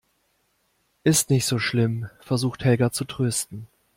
Ist nicht so schlimm, versucht Helga zu trösten.